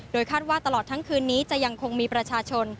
คาดว่าตลอดทั้งคืนนี้จะยังคงมีประชาชน